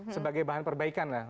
sebagai bahan perbaikan lah